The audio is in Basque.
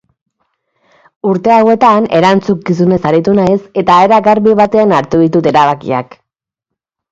Urte hauetan erantzunkizunez aritu naiz eta era garbi batean hartu ditut erabakiak.